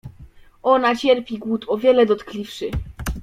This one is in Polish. Ona cierpi głód o wiele dotkliwszy.